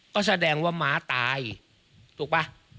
ก็แสดงว่าม้าตายถูกป่ะ